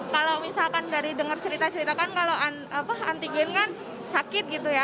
kalau misalkan dari dengar cerita cerita kan kalau antigen kan sakit gitu ya